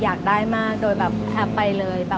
อยากได้มากก็แอปไปเลย